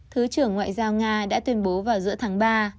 thứ trưởng ngoại giao nga đã tuyên bố vào giữa tháng ba